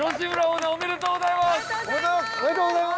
オーナーおめでとうございます。